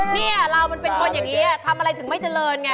เนี่ยเรามันเป็นคนอย่างนี้ทำอะไรถึงไม่เจริญไง